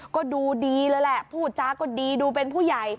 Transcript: ก็ดูดีเลยแหละพูดจาก็ดีดูเป็นผู้ใหญ่